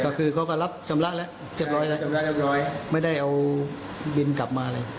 ก็คือเขาก็รับชำระแล้วเจ็บร้อยแล้วไม่ได้เอาบิลกลับมาเลย